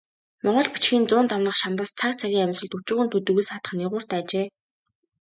Монгол бичгийн зуун дамнах шандас цаг цагийн амьсгалд өчүүхэн төдий үл саатах нигууртай ажээ.